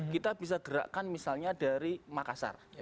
kita bisa gerakkan misalnya dari makassar